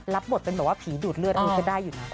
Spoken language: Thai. รับบทเป็นแบบว่าผีดูดเลือดเอาไปได้อยู่นะ